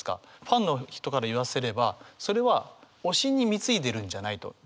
ファンの人から言わせればそれは推しに貢いでるんじゃないと。